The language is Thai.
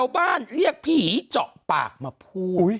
บ้านเรียกผีเจาะปากมาพูด